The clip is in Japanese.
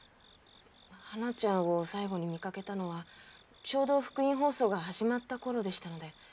花ちゃんを最後に見かけたのはちょうど復員放送が始まった頃でしたので。